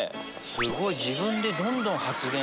すごい。